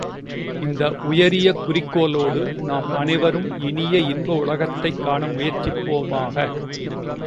இந்த உயரிய குறிக்கோளோடு நம் அனைவரும் இனிய இன்ப உலகத்தைக் காண முயற்சிப்போமாக.